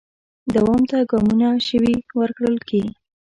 دوام ته ګامونو شوي ورکړل کې